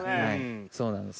そうなんです。